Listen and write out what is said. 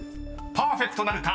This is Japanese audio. ［パーフェクトなるか？］